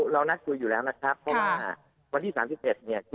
เรานัดคุยอยู่แล้วเพราะว่าวันที่สองสิบอีก